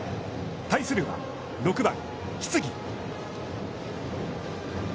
対するは、６番木次。